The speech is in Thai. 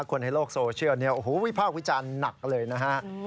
คนในโลกโซเชียลโว้โหวิภาพวิจารณ์หนักเลยนะฮะ